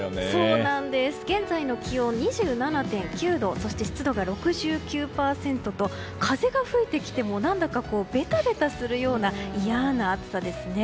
現在の気温２７．９度そして、湿度が６９％と風が吹いてきても何だかベタベタするような嫌な暑さですね。